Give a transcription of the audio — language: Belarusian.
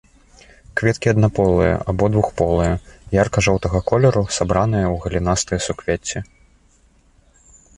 Кветкі аднаполыя або двухполыя, ярка-жоўтага колеру, сабраныя ў галінастыя суквецці.